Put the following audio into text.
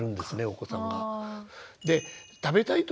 お子さんが。